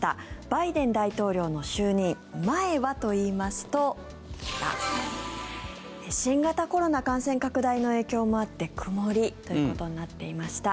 バイデン大統領の就任前はといいますと新型コロナ感染拡大の影響もあって曇りということになっていました。